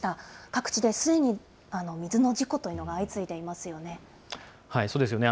各地で水の事故というのが相次いそうですよね。